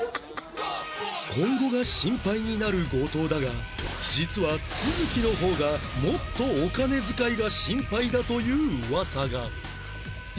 今後がシンパイになる後藤だが実は都築の方がもっとお金遣いがシンパイだという噂が